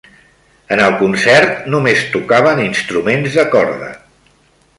En el concert només tocaven instruments de corda.